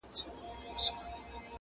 ورور به وژني د غلیم نوم یې په سر دی،